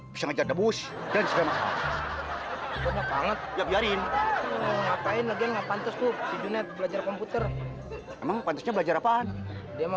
bisa ngajar debus dan semuanya banyak banget ya biarin